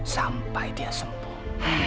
sampai dia sembuh